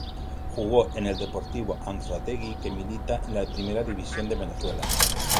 Jugó en el Deportivo Anzoátegui que milita en la Primera División de Venezuela.